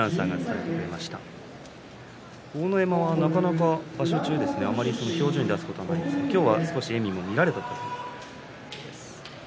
豪ノ山はなかなか場所中はあまり表情に出すことはないんですが今日は少し笑みも見られたということです。